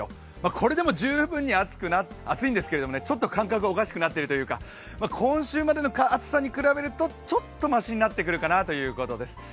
これでも十分に暑いんですけどちょっと感覚がおかしくなってるというか今週までの暑さに比べるとちょっとましになってくるかなということです。